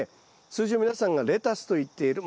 通常皆さんがレタスといっている